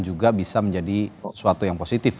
juga bisa menjadi sesuatu yang positif